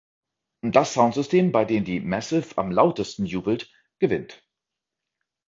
Das Sound System, bei dem die „Massive“ am lautesten jubelt, gewinnt.